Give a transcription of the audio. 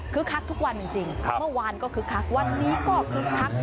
คักทุกวันจริงเมื่อวานก็คึกคักวันนี้ก็คึกคัก